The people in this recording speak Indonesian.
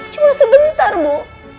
cuma sebentar bu